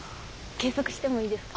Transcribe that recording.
計測してもいいですか？